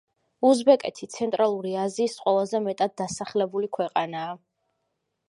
უზბეკეთი ცენტრალური აზიის ყველაზე მეტად დასახლებული ქვეყანაა.